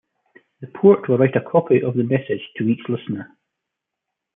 The port will write a copy of the message to each listener.